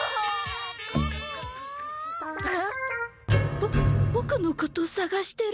ボボクのことさがしてる！